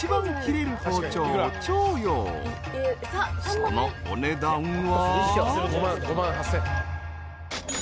［そのお値段は］